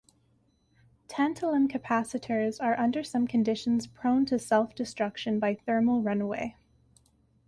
Tantalum capacitors are under some conditions prone to self-destruction by thermal runaway.